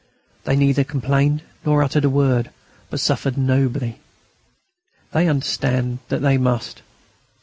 They neither complained nor uttered a word, but suffered nobly. They understand that they must.